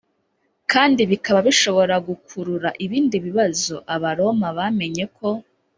kandi bikaba bishobora gukurura ibindi bibazo Abaroma bamenyeko